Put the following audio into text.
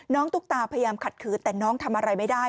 ตุ๊กตาพยายามขัดขืนแต่น้องทำอะไรไม่ได้